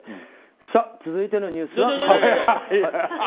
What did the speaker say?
さあ、続いてのニュースは。